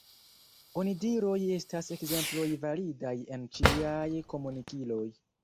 Onidiroj estas ekzemploj validaj en ĉiaj komunikiloj.